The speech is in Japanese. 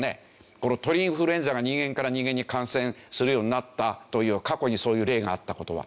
この鳥インフルエンザが人間から人間に感染するようになったという過去にそういう例があった事は。